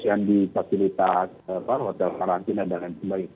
yang di fasilitas hotel karantina dan lain sebagainya